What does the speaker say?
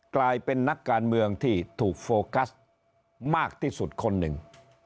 กลายเป็นนักการเมืองที่ถูกโฟกัสมากที่สุดคนหนึ่ง